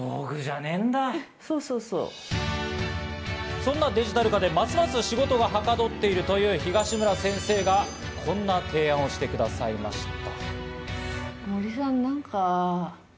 そんなデジタル化でますます仕事がはかどっているという東村先生が、こんな提案をしてくださいました。